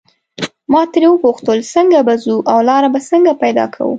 ما ترې وپوښتل څنګه به ځو او لاره به څنګه پیدا کوو.